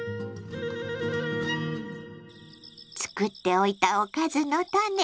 作っておいた「おかずのタネ」